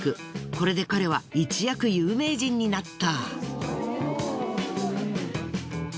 これで彼は一躍有名人になった。